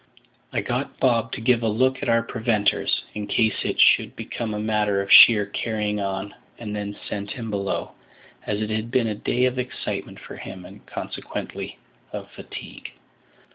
I got Bob to give a look to our preventers, in case it should become a matter of sheer carrying on, and then sent him below, as it had been a day of excitement for him, and, consequently, of fatigue.